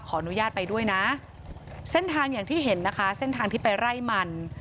ขออนุญาตไปด้วยนะเส้นทางอย่างที่เห็นนะคะเส้นทางที่ไปไล่มัน